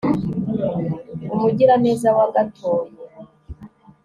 umugira neza wagatoye